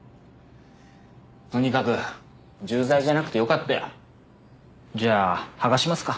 とにかく重罪じゃなくて良かったよ。じゃあ剥がしますか。